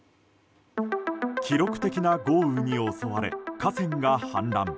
記録的な豪雨に襲われ河川が氾濫。